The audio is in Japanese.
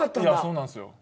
そうなんすよ。